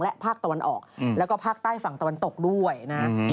ภาคตะวันออกแล้วก็ภาคใต้ฝั่งตะวันตกด้วยนะ